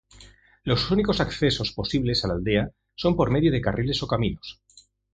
Los únicos accesos posibles a la aldea son por medio de carriles o caminos.